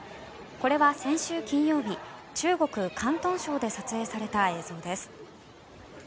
これは先週金曜日中国・広東省で撮影された映像です。